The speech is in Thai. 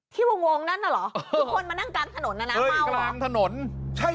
ที่วงวงนั่นหรอทุกคนมานั่งกลางถนนอ่ะน้าเมาหรอ